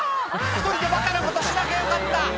１人でバカなことしなきゃよかった」